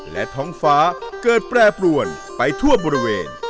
และท้องฟ้าเกิดแปรปรวนไปทั่วบริเวณ